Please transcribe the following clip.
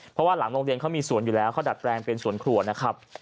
เพราะว่าหลังโรงเรียนเขามีสวนอยู่แล้วเขาดัดแปลงเป็นสวนครัวนะครับ